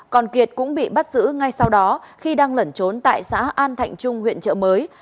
còn kiệt cũng bị bắt giữ ngay sau đó khi đang lẩn trốn tại xã an thạnh trung huyện trợ mới